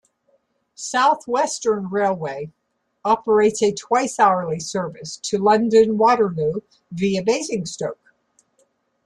South Western Railway operates a twice-hourly service to London Waterloo via Basingstoke.